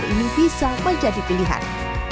di sini bisa menjadi pilihan